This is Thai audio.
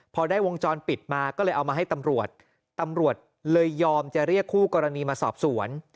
พอได้วงจรปิดมาก็เลยเอามาให้ตำรวจตำรวจเลยยอมจะเรียกคู่กรณีมาสอบสวน